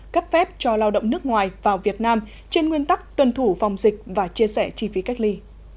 cấp phép cho lao động nước ngoài vào việt nam trên nguyên tắc tuân thủ phòng dịch và chia sẻ chi phí cách ly